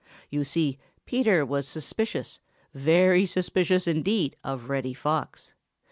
You see, Peter was suspicious, very suspicious indeed of Reddy Fox.